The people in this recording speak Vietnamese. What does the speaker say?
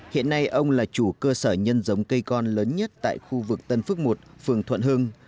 hiện nay ông là chủ cơ sở nhân giống cây con lớn nhất tại khu vực tân phước một phường thuận hưng